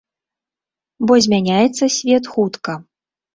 Бо змяняецца свет хутка.